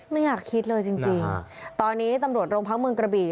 ไม่อยากคิดเลยจริงตอนนี้ตำรวจโรงพักเมืองกระบี่